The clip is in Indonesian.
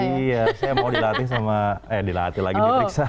iya saya mau dilatih sama eh dilatih lagi diperiksa